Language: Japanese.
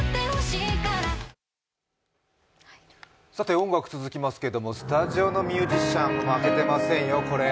音楽続きますけれどもスタジオのミュージシャンも負けていませんよ。